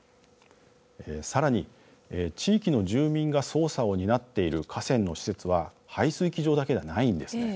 さらに、地域の住民が操作を担っている河川の施設は排水機場だけではないんです。